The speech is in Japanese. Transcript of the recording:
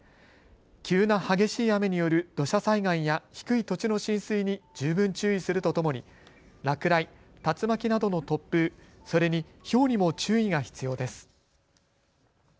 急な激しい雨による土砂災害や低い土地の浸水に十分注意するとともに落雷、竜巻などの突風、それにひょうにも注意が必要です。